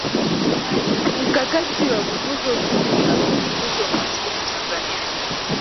Mkakati wa Kukuza Uchumi na Kupunguza Umaskini Tanzania